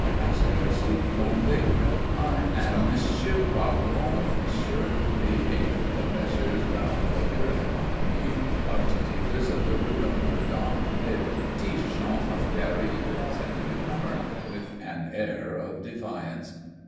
asked Aristide, blandly. "I am M. Poiron, monsieur, the agent of Messrs. Brauneberger and Compagnie, art dealers, of the Rue Notre Dame des Petits Champs of Paris," said the new comer, with an air of defiance.